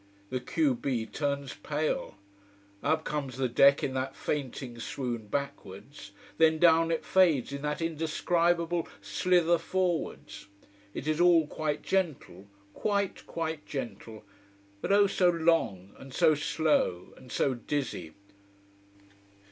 The q b turns pale. Up comes the deck in that fainting swoon backwards then down it fades in that indescribable slither forwards. It is all quite gentle quite, quite gentle. But oh, so long, and so slow, and so dizzy.